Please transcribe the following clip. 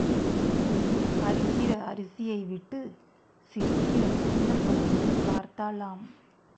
அரிக்கிற அரிசியை விட்டுச் சிரிக்கிற சின்னப் பையனைப் பார்த்தாளாம்.